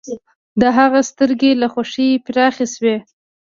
د هغه سترګې له خوښۍ پراخې شوې